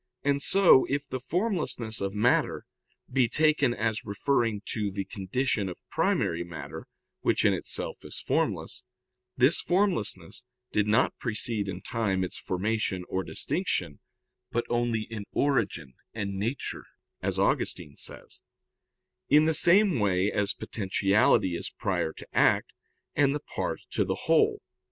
And so, if the formlessness of matter be taken as referring to the condition of primary matter, which in itself is formless, this formlessness did not precede in time its formation or distinction, but only in origin and nature, as Augustine says; in the same way as potentiality is prior to act, and the part to the whole.